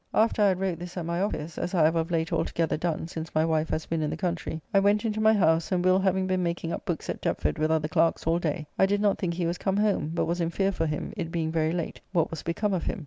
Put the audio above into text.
After I had wrote this at my office (as I have of late altogether done since my wife has been in the country) I went into my house, and Will having been making up books at Deptford with other clerks all day, I did not think he was come home, but was in fear for him, it being very late, what was become of him.